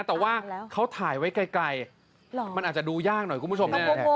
แต่ว่าเขาถ่ายไว้ไกลมันอาจจะดูยากหน่อยคุณผู้ชม